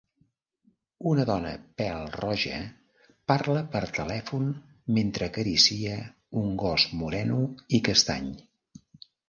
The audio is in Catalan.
Una dona pèl-roja parla per telèfon mentre acaricia un gos moreno i castany.